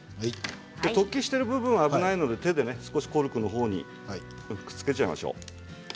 突起しているところは危ないので手でコルクのほうにくっつけましょう。